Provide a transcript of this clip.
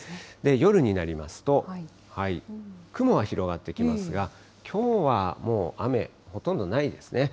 夜になりますと、雲は広がってきますが、きょうはもう、雨、ほとんどないですね。